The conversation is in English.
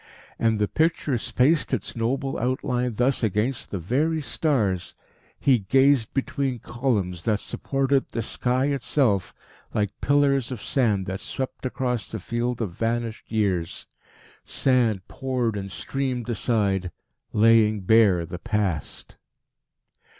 And the picture spaced its noble outline thus against the very stars. He gazed between columns, that supported the sky itself, like pillars of sand that swept across the field of vanished years. Sand poured and streamed aside, laying bare the Past.